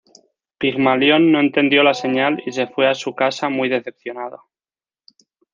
Pigmalión no entendió la señal y se fue a su casa muy decepcionado.